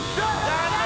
残念！